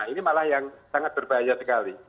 ini malah yang sangat berbahaya sekali